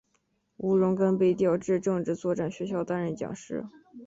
吴荣根被调至政治作战学校担任讲师。